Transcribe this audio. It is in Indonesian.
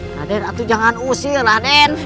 raden atu jangan usir raden